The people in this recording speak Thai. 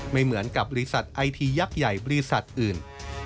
ไม่เหมือนกับบริษัทไอทียักษ์ใหญ่บริษัทอื่น